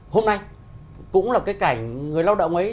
hôm nay cũng là cái cảnh người lao động ấy